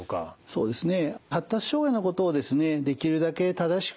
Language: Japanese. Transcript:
そうですね。